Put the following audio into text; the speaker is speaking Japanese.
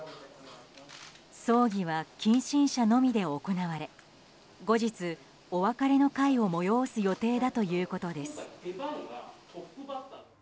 葬儀は近親者のみで行われ後日、お別れの会を催す予定だということです。